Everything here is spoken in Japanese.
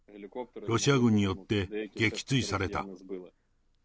ロシア軍によって、撃墜された。